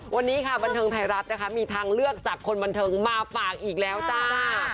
วันนี้ค่ะบันเทิงไทยรัฐนะคะมีทางเลือกจากคนบันเทิงมาฝากอีกแล้วจ้า